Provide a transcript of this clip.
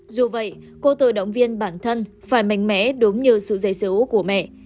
dù vậy cô tự động viên bản thân phải mạnh mẽ đúng như sự giấy xấu của mẹ